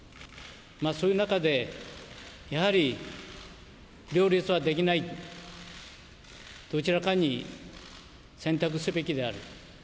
そういう中でやはり両立はできない、どちらかに選択すべきである。